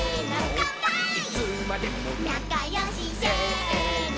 「なかよし」「せーの」